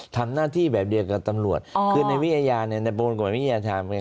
ทำหน้าที่แบบเดียวกับตำรวจคือในวิยญาณเนี่ยในโปรโมนกลุ่มวิยญาณธรรม